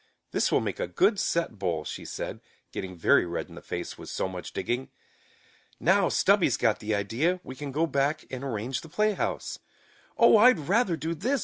"This will make a good set bowl," she said, getting very red in the face with so much digging. "Now, Stubby's got the idea, we can go back and arrange the playhouse." "Oh, I'd rather do this!"